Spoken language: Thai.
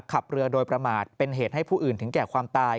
ขับเรือโดยประมาทเป็นเหตุให้ผู้อื่นถึงแก่ความตาย